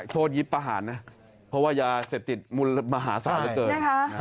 โทษยิบประหารนะเพราะว่ายาเสพติดมุลมหาศาลเกิด